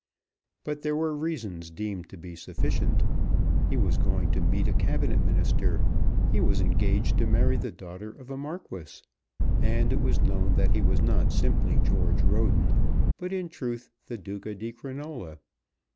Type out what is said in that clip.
But there were reasons deemed to be sufficient. He was going to meet a Cabinet Minister. He was engaged to marry the daughter of a Marquis. And it was known that he was not simply George Roden, but in truth the Duca di Crinola.